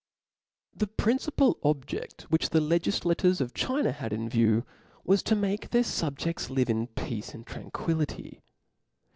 .' The principal objeft which the legiflators of iChina had in view, was to make their fubjeftsf live in peace and tranquillity.